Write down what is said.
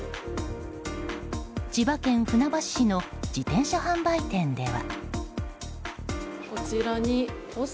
千葉県船橋市の自転車販売店では。